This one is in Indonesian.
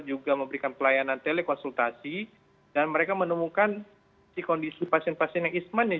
juga memberikan pelayanan telekonsultasi dan mereka menemukan si kondisi pasien pasien yang isman